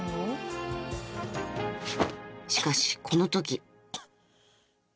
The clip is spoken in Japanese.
［しかしこのとき］